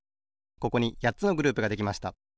ここにやっつのグループができました。